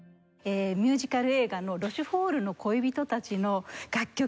ミュージカル映画の『ロシュフォールの恋人たち』の楽曲